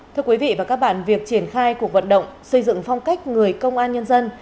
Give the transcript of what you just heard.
thưa quý vị và các bạn việc triển khai cuộc vận động xây dựng phong cách người công an nhân dân